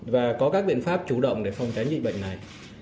và có các biện pháp chủ động để phòng tránh dịch bệnh này